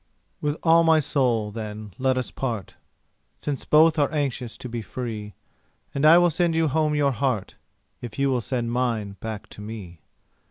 With all my soul, then, let us part, Since both are anxious to be free; And I will sand you home your heart, If you will send mine back to me.